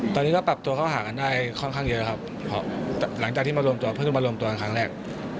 ตอนนี้ก็ปรับตัวเข้าหากันได้ค่อนข้างเยอะครับเพราะหลังจากที่มารวมตัวเพิ่งมารวมตัวกันครั้งแรก